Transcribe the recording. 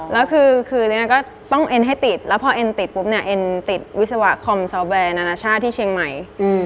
แล้วคือเรียนก็ต้องเอ็นให้ติดแล้วพอเอ็นติดปุ๊บเนี่ยเอ็นติดวิศวะคอมซอลแอร์นานาชาติที่เชียงใหม่